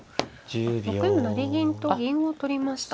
６四成銀と銀を取りました。